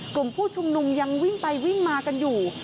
กลุ่มผู้ชุมนุมยังวิ่งไปวิ่งมากันอยู่